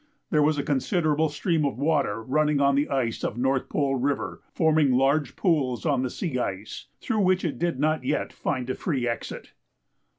There was a considerable stream of water running on the ice of North Pole River, forming large pools on the sea ice, through which it did not yet find a free exit.